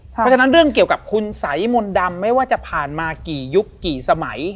เพราะฉะนั้นเรื่องเกี่ยวกับคุณสัยมนต์ดำไม่ว่าจะผ่านมากี่ยุคกี่สมัย